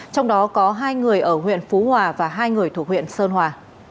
trong đó có hai người ở huyện phú hòa và hai người thuộc huyện sơn hòa